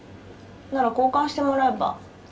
なら交換してもらえば？